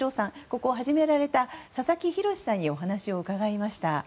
ここを始められた佐々木弘志さんにお話を伺いました。